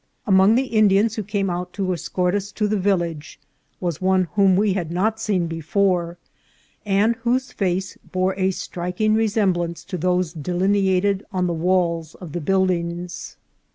AMONG the Indians who came out to escort us to the village was one whom we had not seen before, and whose face bore a striking resemblance to those de lineated on the walls of the buildings.